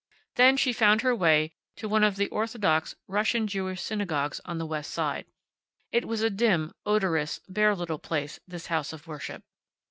Then she found her way to one of the orthodox Russian Jewish synagogues on the west side. It was a dim, odorous, bare little place, this house of worship.